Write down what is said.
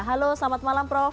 halo selamat malam prof